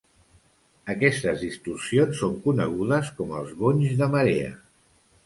Aquestes distorsions són conegudes com els bonys de marea.